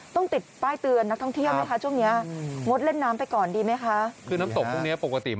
ต้องติดป้ายเตือนนักท่องเที่ยวไหมคะช่วงนี้